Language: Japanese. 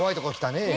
ねえ。